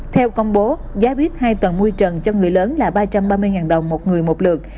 theo công bố giá bít hai tầng môi trần cho người lớn là ba trăm ba mươi đồng một người một lượt